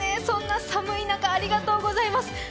そんな寒い中、ありがとうございます。